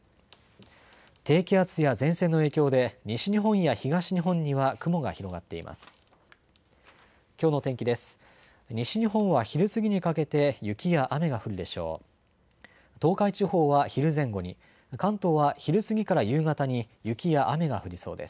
低気圧や前線の影響で西日本や東日本には雲が広がっています。